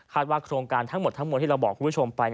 ว่าโครงการทั้งหมดทั้งหมดที่เราบอกคุณผู้ชมไป